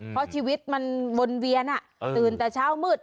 เพราะชีวิตมันวนเวียนตื่นแต่เช้ามืด